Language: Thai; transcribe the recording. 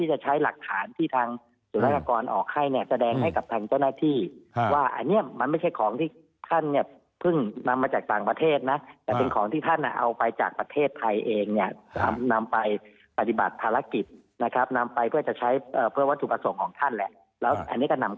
จะใช้เพื่อวัตถุประสงค์ของท่านแหละแล้วอันนี้ก็นำกลับเข้ามา